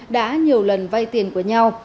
đã nhiều lần vay tiền của nhau